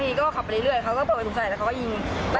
แล้วนี้ก็ขับไปเรื่อยเขาก็เผื่อว่าสงสัยแล้วเขาก็ยิงใต้ดาวไป